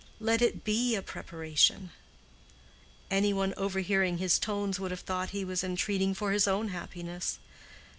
Let it be a preparation——" Any one overhearing his tones would have thought he was entreating for his own happiness.